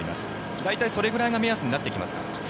大体それぐらいが目安になってきますか？